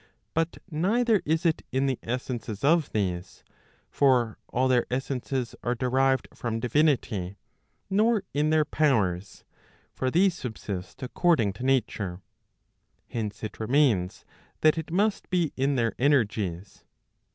But neither is it in the essences of these; for all their essences are derived from divinity; nor in their powers; for these subsist according to nature. Hence it remains, that it must be in their energies.